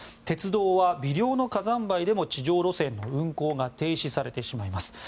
鉄道は、微量の火山灰でも地上路線の運行が停止されてしまいます。